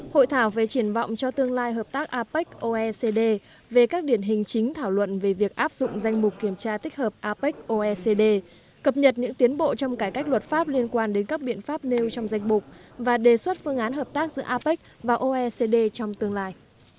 hội thảo về triển vọng cho tương lai hợp tác apec oecd về các điển hình chính thảo luận về việc áp dụng danh mục kiểm tra tích hợp apec oecd cập nhật những tiến bộ trong cải cách luật pháp liên quan đến các biện pháp nêu trong danh mục và đề xuất phương án hợp tác giữa apec và oecd trong tương lai